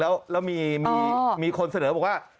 แล้วมีคนเสนอบอกว่า